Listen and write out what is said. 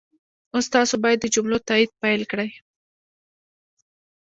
اوس تاسو باید د جملو تایید پيل کړئ.